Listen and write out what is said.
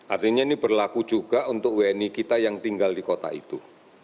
artinya ini berlaku juga untuk wni kita yang tinggal di kota itu